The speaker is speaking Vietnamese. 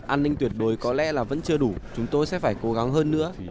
an ninh tuyệt đối có lẽ là vẫn chưa đủ chúng tôi sẽ phải cố gắng hơn nữa